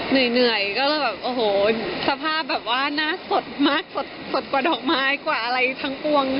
เหนื่อยก็เลยแบบโอ้โหสภาพแบบว่าหน้าสดมากสดกว่าดอกไม้กว่าอะไรทั้งปวง